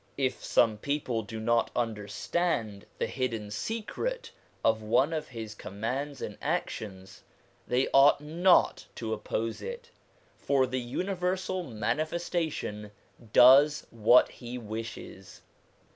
If some people do not understand the hidden secret of one of his commands and actions, they ought not to oppose it, for the universal Manifestation does what he wishes.